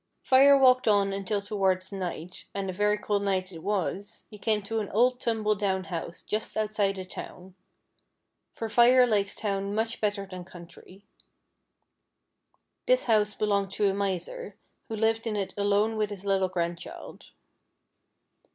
Fire walked on until towards night (and a very cold night it was), he came to an old tumble down house just outside a town — for Fire likes town much better than country. This house belonged to a Miser, who lived in it alone with his little grandchild.